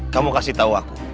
kamu kasih tau aku